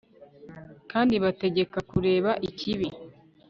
kandi ibategeka kureka ikibi